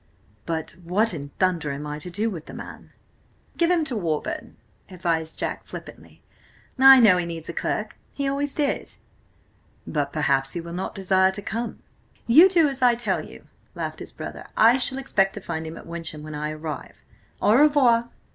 "But what in thunder am I to do with the man?" "Give him to Warburton," advised Jack flippantly. "I know he needs a clerk–he always did!" "But perhaps he will not desire to come—" "You do as I tell you!" laughed his brother. "I shall expect to find him at Wyncham when I arrive! Au revoir!"